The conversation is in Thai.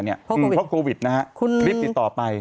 เพราะโควิดนะฮะรีบติดต่อไป